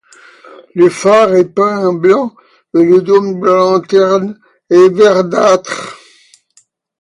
Le phare est peint en blanc et le dôme de la lanterne est verdâtre.